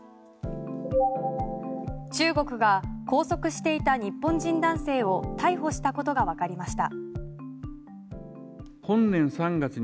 中国が拘束していた日本人男性を逮捕したことがわかりました。